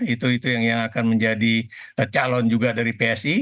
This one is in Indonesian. itu itu yang akan menjadi calon juga dari psi